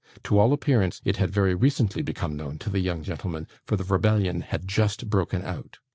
To all appearance, it had very recently become known to the young gentlemen; for the rebellion had just broken out.